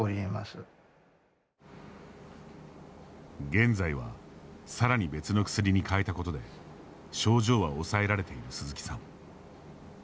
現在はさらに別の薬に変えたことで症状は抑えられている鈴木さん。